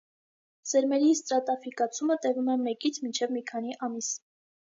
Սերմերի ստրատաֆիկացումը տևում է մեկից մինչև մի քանի ամիս։